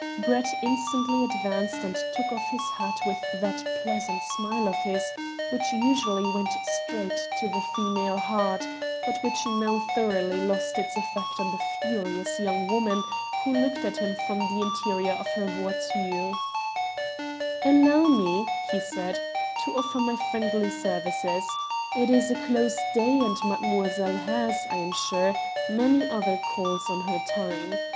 Brett instantly advanced and took off his hat with that pleasant smile of his which usually went straight to the female heart, but which now thoroughly lost its effect on the furious young woman who looked at him from the interior of the voiture. "Allow me," he said, "to offer my friendly services. It is a close day and mademoiselle has, I am sure, many other calls on her time.